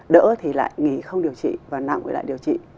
đỡ thì lại nghỉ không điều trị và nặng với lại điều trị